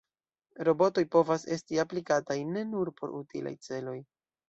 Robotoj povas esti aplikataj ne nur por utilaj celoj.